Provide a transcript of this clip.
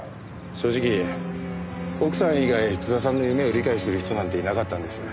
正直奥さん以外津田さんの夢を理解する人なんていなかったんです。